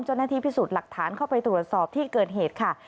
เจ้าหน้าที่พิสูจน์หลักฐานเข้าไปตรวจสอบที่เกิดเหตุค่ะ